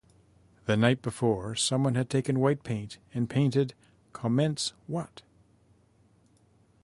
The night before, someone had taken white paint and painted Commence What?